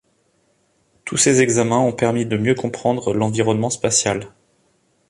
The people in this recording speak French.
Tous ces examens ont permis de mieux comprendre l'environnement spatial.